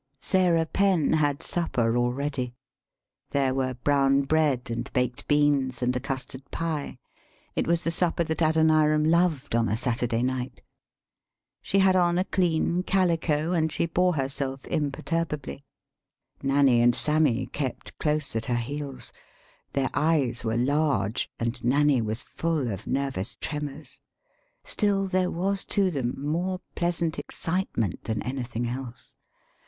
Sarah Penn had supper all ready. There were brown bread, and baked beans and a custard pie; it was the supper that Adoniram loved on a Saturday night. She had on a clean calico, and she bore herself imperturbably. THE SHORT STORY Nanny and Sammy kept close at her heels. [Their eyes were large, and Nanny was full of nervous tremors. Still there was to them more pleasant excitement than anything else.